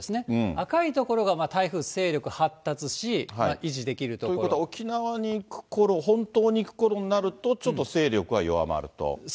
赤い所が台風、勢力発達し、ということは、沖縄に行くころ、本島に行くころになると、ちょっと勢力は弱まると。